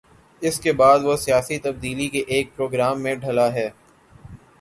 اس کے بعد وہ سیاسی تبدیلی کے ایک پروگرام میں ڈھلا ہے۔